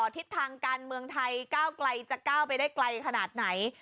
ทิศทางการเมืองไทยก้าวไกลจะก้าวไปได้ไกลขนาดไหน